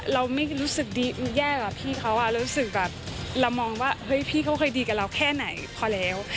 เราไม่รู้สึกดีแย่กับพี่เขารู้สึกแบบเรามองว่าเฮ้ยพี่เขาเคยดีกับเราแค่ไหนพอแล้ว